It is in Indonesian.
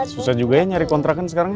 susah juga ya nyari kontrakan sekarang